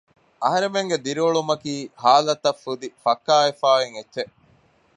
އަހަރެމެންގެ ދިރިއުޅުމަކީ ހާލަތަށް ފުދި ފައްކާވެފައި އޮތް އެއްޗެއް